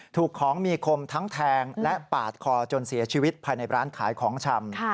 ถูกของมีคมทั้งแทงและปาดคอจนเสียชีวิตภายในร้านขายของชำ